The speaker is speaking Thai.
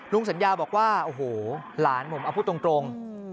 สัญญาบอกว่าโอ้โหหลานผมเอาพูดตรง